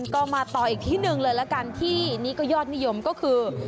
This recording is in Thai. ก็มาต่ออีกที่หนึ่งเลยละกันที่นี่ก็ยอดนิยมก็คือ